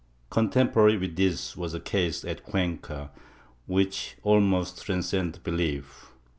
^ Con temporary with this was a case at Cuenca, which almost transcends belief.